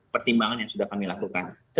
pertimbangan yang sudah kami lakukan